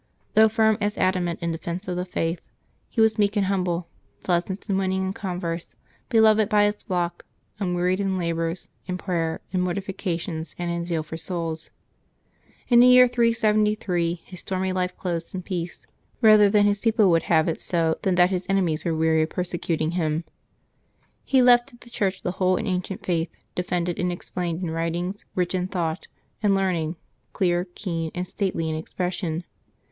Though firm as adamant in defence of the Faith, he was meek and humble, pleasant and winning in con verse, beloved by his flock, unwearied in labors, in prayer, in mortifications, and in zeal for souls. In the year 373 his stormy ]ife closed in peace, rather that his people would have it so than that his enemies were weary of persecuting him. He left to the Church the whole and ancient Faith, defended and explained in writings rich in thought and learning, clear, keen, and stately in expression.